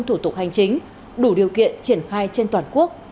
thủ tục hành chính đủ điều kiện triển khai trên toàn quốc